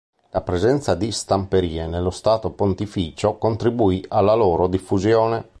La presenza di stamperie nello Stato Pontificio contribuì alla loro diffusione.